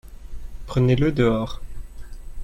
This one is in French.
Prenez-le dehors.